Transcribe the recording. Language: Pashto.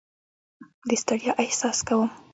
د ستړیا احساس کوم.